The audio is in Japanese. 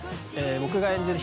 僕が演じる